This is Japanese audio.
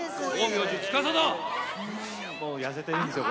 痩せてるんですよ。